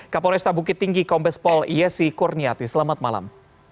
kapolesta bukit tinggi kombes pol iesi kurniati selamat malam